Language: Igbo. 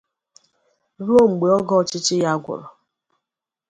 ruo mgbe oge ọchịchị ya gwụrụ.